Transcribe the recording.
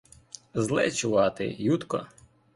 — Зле чувати, Юдко.